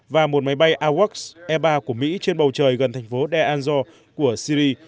và một máy bay awacs e ba của mỹ trên bầu trời gần thành phố deanzor của syri